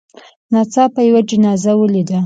ناڅاپه یې یوه جنازه ولیده.